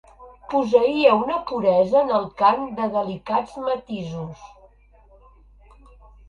Posseïa una puresa en el cant de delicats matisos.